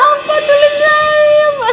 ini kenapa tuh